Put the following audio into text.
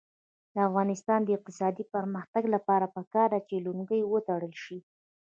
د افغانستان د اقتصادي پرمختګ لپاره پکار ده چې لونګۍ وتړل شي.